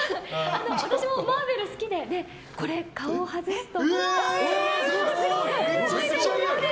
私もマーベル好きでこれ顔を外すと。